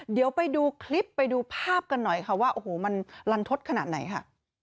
เดี๋ยวไปดูคลิปไปดูภาพกันหน่อยค่ะว่าโอ้โหมันลันทศขนาดไหนค่ะ